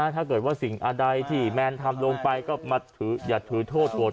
ถ้าเกิดว่าสิ่งอะไรที่แมนทำลงไปก็มาถืออย่าถือโทษโกรธ